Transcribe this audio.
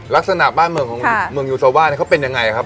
ลักษณะบ้านเมืองของเมืองยูซาว่าเขาเป็นยังไงครับ